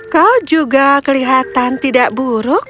kau juga kelihatan tidak buruk